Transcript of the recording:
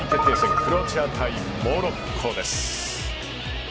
クロアチア対モロッコです。